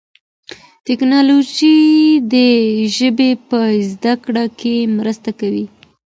تکنالوژي د ژبي په زده کړه کي مرسته کوي.